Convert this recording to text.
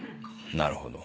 なるほど。